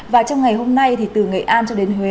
và trong ngày hôm nay thì từ nghệ an cho đến huế